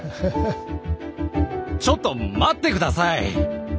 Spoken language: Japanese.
ちょっと待って下さい！